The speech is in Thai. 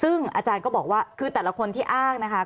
ซึ่งอาจารย์ก็บอกว่าคือแต่ละคนที่อ้างนะคะ